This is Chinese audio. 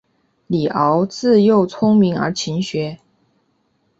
李鏊自幼聪明而勤学。